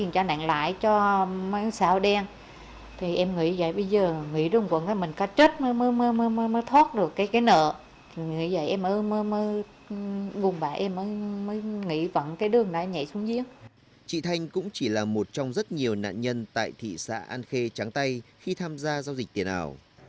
chị thanh cũng chỉ là một trong rất nhiều nạn nhân tại thị xã an khê trắng tây khi tham gia giao dịch tiền ảo